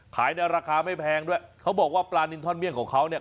ในราคาไม่แพงด้วยเขาบอกว่าปลานินท่อนเมี่ยงของเขาเนี่ย